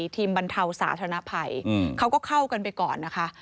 บรรเทาสาธารณภัยเขาก็เข้ากันไปก่อนนะคะ